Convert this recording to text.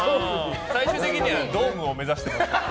最終的にはドームを目指して。